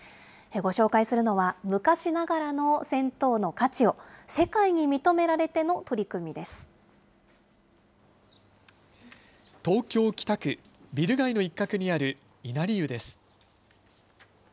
ご紹介するのは、昔ながらの銭湯の価値を世界に認められての取り東京・北区、ビル街の一角にある稲荷湯です。